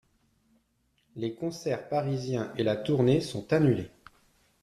Les concerts parisiens et la tournée sont annulés.